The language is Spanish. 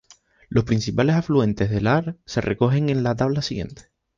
Los principales afluentes del Aar se recogen en la tabla siguiente.